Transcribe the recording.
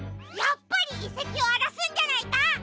やっぱりいせきをあらすんじゃないか！